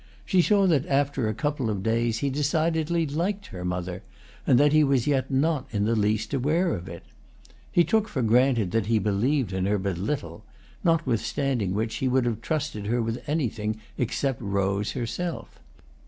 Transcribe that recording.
She saw that after a couple of days he decidedly liked her mother, and that he was yet not in the least aware of it. He took for granted that he believed in her but little; notwithstanding which he would have trusted her with anything except Rose herself.